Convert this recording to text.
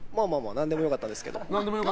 何でも良かったですけど。